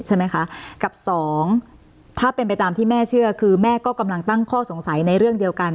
ใช่ไหมคะกับสองถ้าเป็นไปตามที่แม่เชื่อคือแม่ก็กำลังตั้งข้อสงสัยในเรื่องเดียวกัน